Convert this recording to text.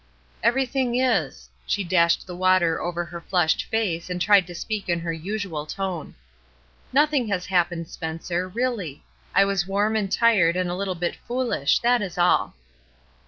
'^ Everything is." She dashed the water over her flushed face and tried to speak in her usual tone. "Nothing has happened, Spencer, 833 334 ESTER RIED'S NAMESAKE really. I was warm and tired and a little bit foolish ; that is all."